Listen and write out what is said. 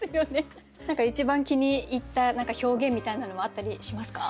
何か一番気に入った表現みたいなのはあったりしますか？